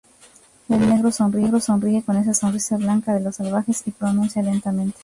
el negro sonríe con esa sonrisa blanca de los salvajes, y pronuncia lentamente